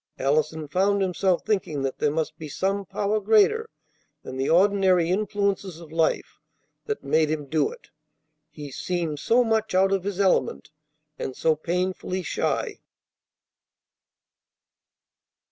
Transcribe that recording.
Allison found himself thinking that there must be some power greater than the ordinary influences of life that made him do it. He seemed so much out of his element, and so painfully shy.